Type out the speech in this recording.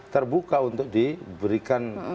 terbuka untuk diberikan